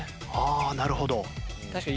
ああなるほど。